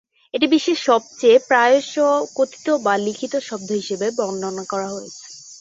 এটি বিশ্বের সবচেয়ে প্রায়শই কথিত বা লিখিত শব্দ হিসাবে বর্ণনা করা হয়েছে।